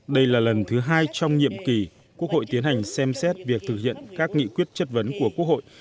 đây là lần thứ hai trong nhiệm kỳ quốc hội tiến hành xem xét việc thực hiện các nghị quyết chất vấn của quốc hội